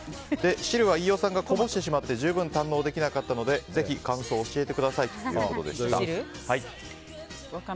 汁は飯尾さんがこぼしてしまって十分堪能できなかったのでぜひ感想を教えてくださいということでした。